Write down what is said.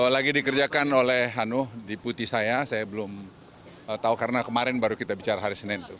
lagi dikerjakan oleh hanuh di putih saya saya belum tahu karena kemarin baru kita bicara hari senin itu